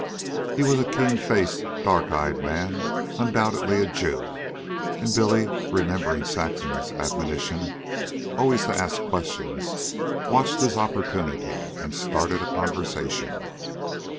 He was a keen faced, dark eyed man, undoubtedly a Jew; and Billy, remembering Saxon's admonition always to ask questions, watched his opportunity and started a conversation.